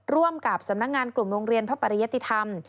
ร่วมกับสำนักงานกลุ่มโรงเรียนพระปริยติธรรม